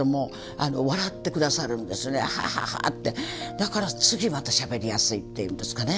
だから次またしゃべりやすいっていうんですかね。